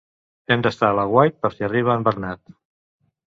Hem d'estar a l'aguait per si arriba en Bernat.